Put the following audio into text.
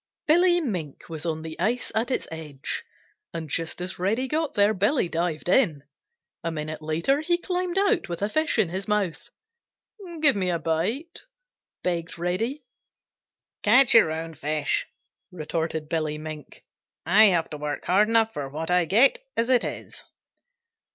Billy Mink was on the ice at its edge, and just as Reddy got there Billy dived in. A minute later he climbed out with a fish in his mouth. "Give me a bite," begged Reddy. "Catch your own fish," retorted Billy Mink. "I have to work hard enough for what I get as it is."